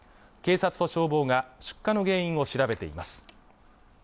警察と消防が出火の原因を調べています